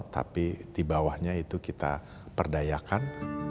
tapi di bawahnya itu kita perdayakan